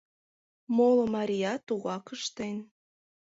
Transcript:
Моло марият тугак ыштен.